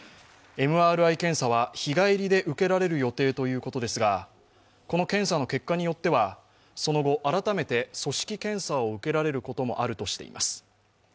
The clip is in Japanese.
ＭＲＩ検査は日帰りで受けられる予定ということですが、この検査の結果によっては、その後、改めて組織検査を受けられることもあるとしています。